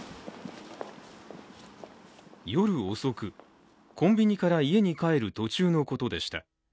夜遅く、コンビニから家に帰る途中のことでした。